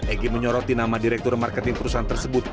egy menyoroti nama direktur marketing perusahaan tersebut